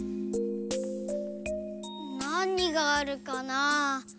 なにがあるかな？